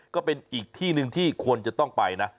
ก็เป็นอีกที่หนึ่งที่ควรจะต้องไปนะ